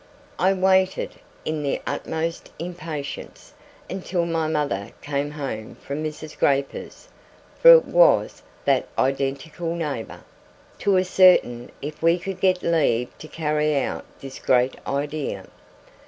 I waited, in the utmost impatience, until my mother came home from Mrs. Grayper's (for it was that identical neighbour), to ascertain if we could get leave to carry out this great idea.